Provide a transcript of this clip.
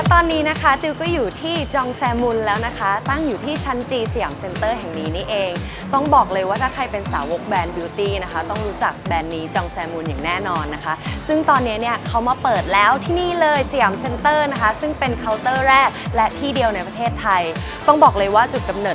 ตอนนี้นะคะจิลก็อยู่ที่จองแซมูลแล้วนะคะตั้งอยู่ที่ชั้นจีสยามเซ็นเตอร์แห่งนี้นี่เองต้องบอกเลยว่าถ้าใครเป็นสาวกแรนดบิวตี้นะคะต้องรู้จักแบรนด์นี้จองแซมูลอย่างแน่นอนนะคะซึ่งตอนนี้เนี่ยเขามาเปิดแล้วที่นี่เลยสยามเซ็นเตอร์นะคะซึ่งเป็นเคาน์เตอร์แรกและที่เดียวในประเทศไทยต้องบอกเลยว่าจุดกำเนิ